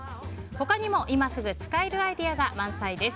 他にも今すぐ使えるアイデアが満載です。